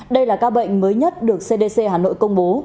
đây là ca bệnh mới nhất được cdc hà nội công bố